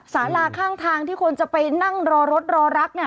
สาราข้างทางที่คนจะไปนั่งรอรถรอรักเนี่ย